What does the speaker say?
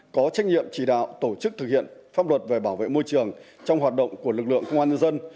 có trách nhiệm chỉ đạo tổ chức thực hiện pháp luật về bảo vệ môi trường trong hoạt động của lực lượng công an nhân dân